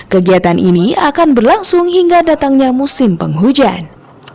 kegiatan ini akan berlangsung hingga datangnya musim penghujan